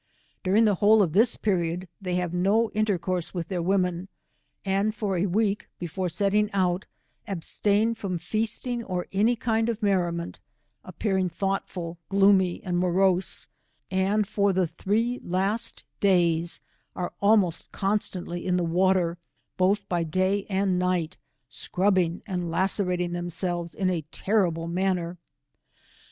During the whole of this period, they have no in tercourse with their women, and for a week, before setting out, abstain from feasting or any k:cd of merriment, appearing thoughtful, gloomy, and morose, and for the three last days, are almost constantly In the water, both by day and night, scrubbing and lacerating themselves in a terrible manner.